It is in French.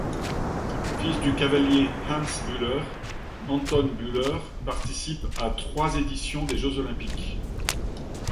Fils du cavalier Hans Bühler, Anton Bühler participe à trois éditions des Jeux olympiques.